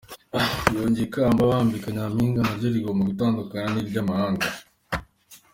Yongeye ko ikamba bambika Nyampinga naryo rigomba gutandukana n’iry’amahanga.